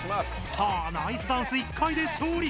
さあナイスダンス１回で勝利。